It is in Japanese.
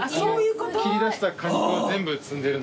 切り出した果肉は全部積んでるので。